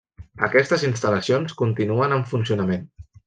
Aquestes instal·lacions continuen en funcionament.